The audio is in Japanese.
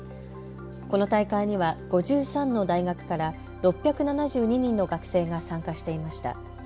この大会には５３の大学から６７２人の学生が参加していました。